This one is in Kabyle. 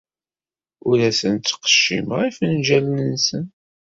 Ur asen-ttqeccimeɣ ifenjalen-nsen.